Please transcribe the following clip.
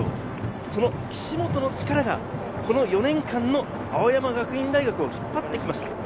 その岸本の力が４年間の青山学院大学を引っ張ってきました。